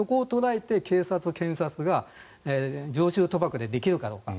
そこを捉えて警察、検察が常習賭博でできるかどうか。